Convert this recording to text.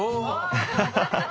ハハハハ！